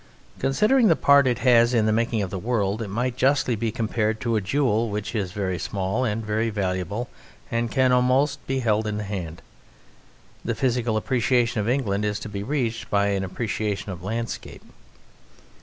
Considering the part it has in the making of the world, it might justly be compared to a jewel which is very small and very valuable and can almost be held in the hand. The physical appreciation of England is to be reached by an appreciation of landscape.